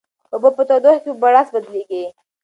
اوبه په تودوخه کې په بړاس بدلیږي.